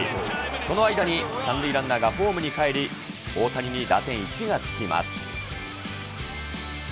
その間に３塁ランナーがホームにかえり、大谷に打点１がつきます。